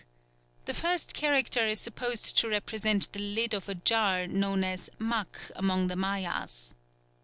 _ The first character is supposed to represent the lid of a jar known as mac among the Mayas.